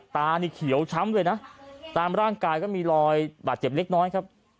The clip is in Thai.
ตานี่เขียวช้ำเลยนะตามร่างกายก็มีรอยบาดเจ็บเล็กน้อยครับ